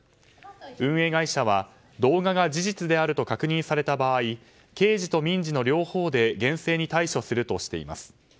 運営会社は動画が事実であると確認された場合刑事と民事の両方で厳正に対処するとしています。